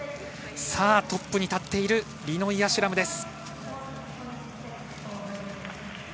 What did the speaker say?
トップに立っているリノイ・アシュラムです。